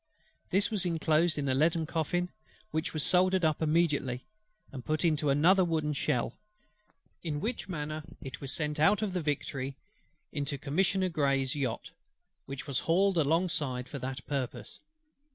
This was inclosed in a leaden coffin; which was soldered up immediately, and put into another wooden shell: in which manner it was sent out of the Victory into Commissioner GREY'S yacht, which was hauled alongside for that purpose.